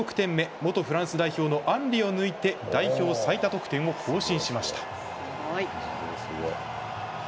元フランス代表のアンリを抜いて代表最多得点を更新しました。